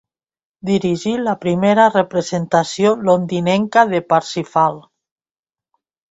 Dirigí la primera representació londinenca de Parsifal.